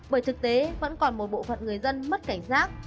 bởi thực tế vẫn còn một bộ phận người dân mất cảnh giác